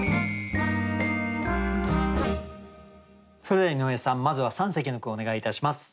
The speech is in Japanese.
それでは井上さんまずは三席の句をお願いいたします。